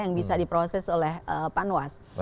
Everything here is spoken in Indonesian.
yang bisa diproses oleh panwas